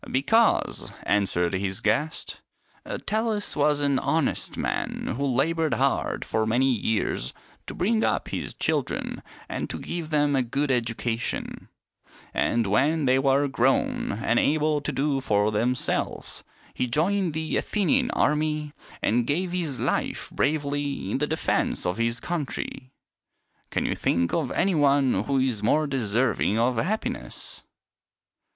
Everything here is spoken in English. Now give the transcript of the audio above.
" Because," answered his guest, " Tellus was an honest man who labored hard for many years to bring up his children and to give them a good edu cation ; and when they were grown and able to do for themselves, he joined the Athenian army and 84 THIRTY MORE FAMOUS STORIES gave his life bravely in the defense of his country. Can you think of any one who is more deserving of happiness